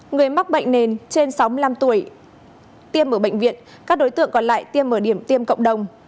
người mắc bệnh nền trên sáu mươi năm tuổi tiêm ở bệnh viện các đối tượng còn lại tiêm ở điểm tiêm cộng đồng